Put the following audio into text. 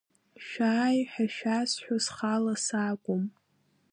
Шәааи ҳәа шәазҳәо схала сакәым…